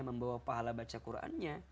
membawa pahala baca qurannya